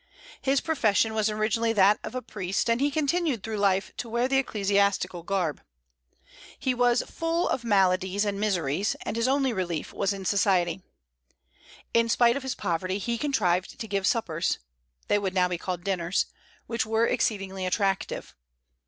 His profession was originally that of a priest, and he continued through life to wear the ecclesiastical garb. He was full of maladies and miseries, and his only relief was in society. In spite of his poverty he contrived to give suppers they would now be called dinners which were exceedingly attractive.